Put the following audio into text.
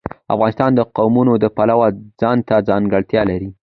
افغانستان د قومونه د پلوه ځانته ځانګړتیا لري.